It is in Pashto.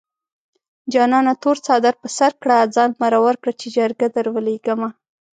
جانانه تور څادر په سر کړه ځان مرور کړه چې جرګه دروليږمه